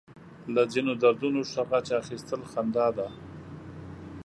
له ځينو دردونو ښه غچ اخيستل خندا ده.